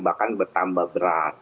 bahkan bertambah berat